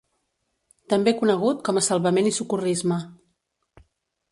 També conegut com a Salvament i socorrisme.